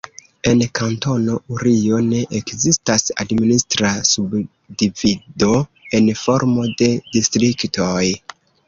En Kantono Urio ne ekzistas administra subdivido en formo de distriktoj.